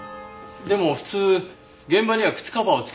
でも普通現場には靴カバーを付けて入りますよね？